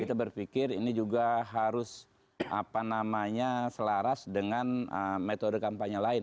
kita berpikir ini juga harus selaras dengan metode kampanye lain